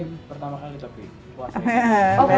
ini pertama kali tapi